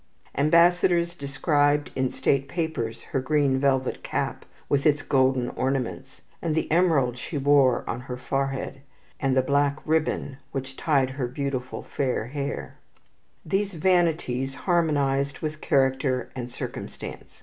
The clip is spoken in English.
Ambassadors described in state papers her green velvet cap with its golden ornaments, and the emerald she wore on her forehead, and the black ribbon which tied her beautiful fair hair. These vanities harmonized with character and circumstance.